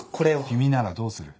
君ならどうする？